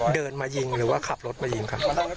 เดินมายิงหรือว่าขับรถมายิงครับ